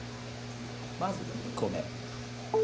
まず１個目。